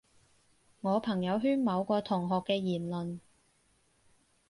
我朋友圈某個同學嘅言論